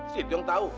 situ yang tau